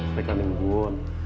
oh rekannya bukun